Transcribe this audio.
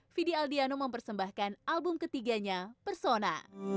fidi aldiano mempersembahkan album ketiganya persona